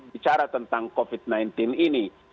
bicara tentang covid sembilan belas ini